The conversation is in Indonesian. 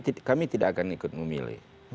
kami tidak akan ikut memilih